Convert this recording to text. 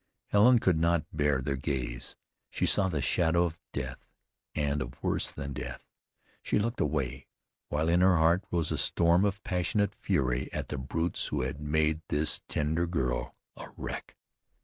Helen could not bear their gaze. She saw the shadow of death, and of worse than death. She looked away, while in her heart rose a storm of passionate fury at the brutes who had made of this tender girl a wreck.